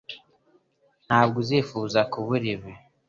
Ntabwo uzifuza kubura ibi